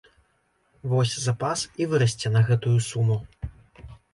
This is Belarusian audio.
Вось запас і вырасце на гэтую суму.